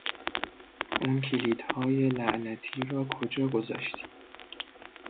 اون کلیدهای لعنتی را کجا گذاشتی؟